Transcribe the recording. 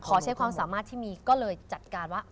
ใช้ความสามารถที่มีก็เลยจัดการว่า